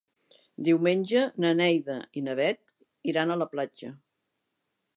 Diumenge na Neida i na Bet iran a la platja.